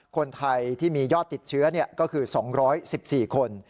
คนไทยที่มียอดติดเชื้อก็คือ๒๑๔คน